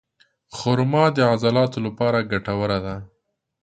خرما د عضلاتو لپاره ګټوره ده.